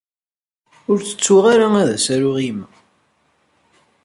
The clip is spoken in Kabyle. Ur ttettuɣ ara ad as-aruɣ i yemma.